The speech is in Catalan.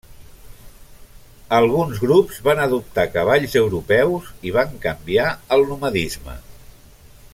Alguns grups van adoptar cavalls europeus i van canviar al nomadisme.